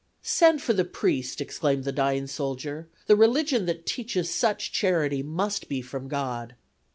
"Send for the priest!" exclaimed the dying soldier, "the religion that teaches such charity must be from God."